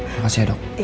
makasih ya dok